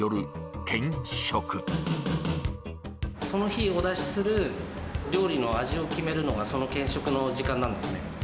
その日、お出しする料理の味を決めるのがその検食の時間なんですね。